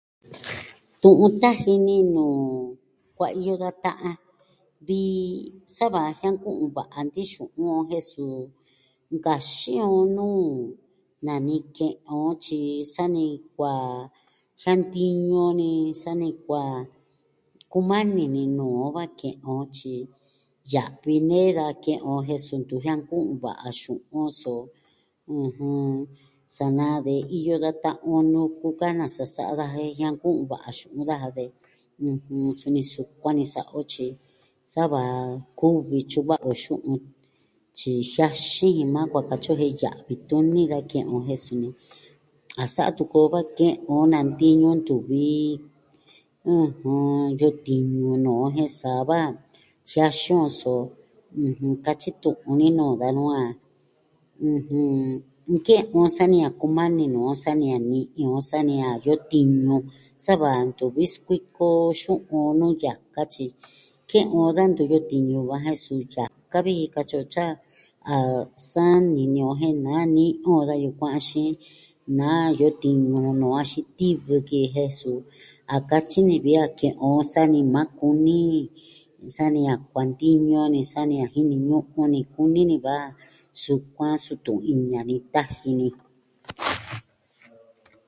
Tu'un taji ni nuu kuaiyo da ta'an vi sa va jianku'un va'a nti'in xu'un on, jen suu nkaxiin on nuu nani ke'en on tyi sani kua jiantiñu on, sani kua kumani ni nuu on va ke'en on tyi ya'vi nee da ke'en on jen suu ntu jianku'un va'a xu'un. So ɨjɨn, sana de iyo da ta'an on nuku ka nasa sa'a daja jen jianku'un va'a xu'un daja de. Suni sukuan ni sa'a o tyi sa va kuvi tyu'un va'a on xu'un. Tyi taxiin jin maa kua katyi ki on jen ya'vi tuni da ke'en on, jen suu a sa'a tuku o va ke'en on nantiñu ntuvi, ɨjɨ, iyo tiñu nuu on jen sa va jiaxiin so katyi tu'un ni nuu danu, ɨjɨn, a nke'en on sani a kumani nuu on, sani a ni'i on, sani a iyo tiñu sava ntuvi sikuiko xu'un nuu yaka tyi ke'en on da ntuvi o tiñu va jen suu yaka vi, katyi o, tyi a sani nee on je nani'i on da yukuan axin na iyo tiñu jun nuu on axi tivɨ ki ji jen suu a katyi nee vi a ke'en on sani maa kuni, sani a kuantiñu ni, sani a jiniñu'un ni kuni ni va, sukuan su tu'un iña ni taji ni.